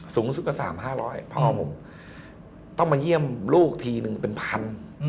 สูงสุดก็๓๕๐๐พ่อผมต้องมาเยี่ยมลูกทีนึงเป็นพัน